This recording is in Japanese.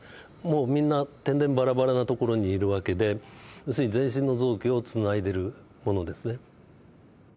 もうみんなてんでんばらばらな所にいる訳で要するに全身の臓器をつないでるものですね。